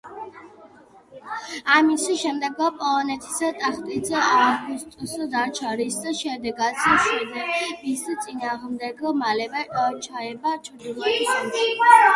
ამის შემდეგ პოლონეთის ტახტიც ავგუსტს დარჩა, რის შემდეგაც შვედების წინააღმდეგ მალევე ჩაება ჩრდილოეთის ომში.